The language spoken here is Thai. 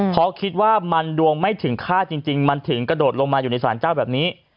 เพราะคิดว่ามันดวงไม่ถึงฆ่าจริงมันถึงกระโดดลงมาอยู่ในสารเจ้าแบบนี้